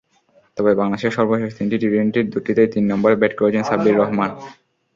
তবে বাংলাদেশের সর্বশেষ তিনটি টি-টোয়েন্টির দুটিতেই তিন নম্বরে ব্যাট করেছেন সাব্বির রহমান।